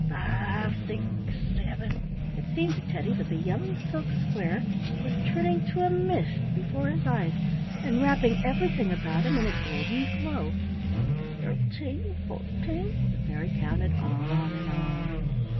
"Five—six—seven" —it seemed to Teddy that the yellow silk square was turning to a mist before his eyes and wrapping everything about him in a golden glow. "Thirteen—fourteen" —the fairy counted on and on.